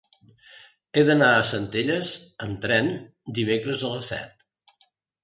He d'anar a Centelles amb tren dimecres a les set.